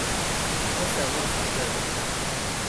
งดแซลมอนสามเดือน ปฏิบัติ